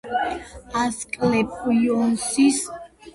ასკლეპიოსის სამლოცველოები სამკურნალო ადგილებად ითვლებოდა.